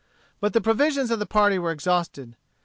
But the provisions of the party were exhausted.